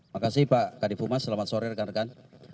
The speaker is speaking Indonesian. makasih pak kadif umar selamat sore rekan rekan